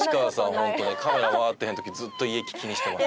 ホントにカメラ回ってへん時ずっと胃液気にしてます。